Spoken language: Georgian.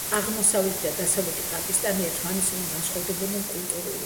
აღმოსავლეთი და დასავლეთი პაკისტანი ერთმანეთისაგან განსხვავდებოდნენ კულტურულად.